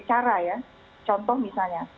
cara ya contoh misalnya